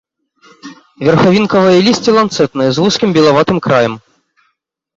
Верхавінкавае лісце ланцэтнае з вузкім белаватым краем.